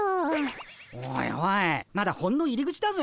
おいおいまだほんの入り口だぜ。